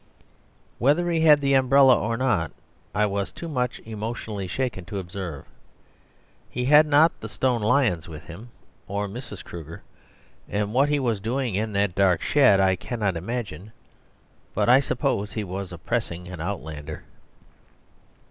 Whether he had the umbrella or not I was too much emotionally shaken to observe; he had not the stone lions with him, or Mrs. Kruger; and what he was doing in that dark shed I cannot imagine, but I suppose he was oppressing an Outlander.